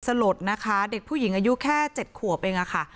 สลดนะคะเด็กผู้หญิงอายุแค่๗ขวบเองค่ะ